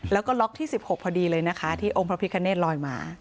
แล้วก็ล็อกที่๑๖พอดีเลยนะคะที่องค์พระพิคเนธลอยมา